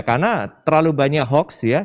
karena terlalu banyak hoax